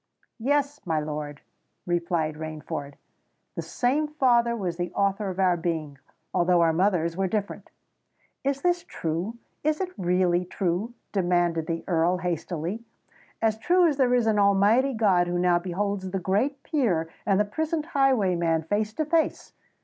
"Yes—my lord," replied Rainford: "the same father was the author of our being—although our mothers were different." "Is this true?—is it really true?" demanded the Earl hastily. "As true as there is an Almighty God who now beholds the great peer and the prisoned highwayman face to face!"